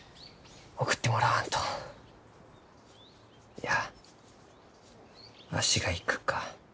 いやわしが行くか。